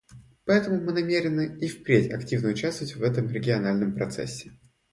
Поэтому мы намерены и впредь активно участвовать в этом региональном процессе.